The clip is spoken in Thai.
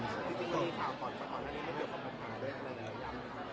จริงคำถามก่อนนั่นได้เกี่ยวกับปัญหาด้วยอันไหนอย่างนั้น